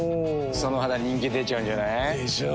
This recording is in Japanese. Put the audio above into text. その肌人気出ちゃうんじゃない？でしょう。